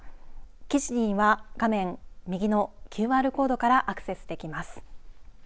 記事には画面右のＱＲコードからアクセスできます。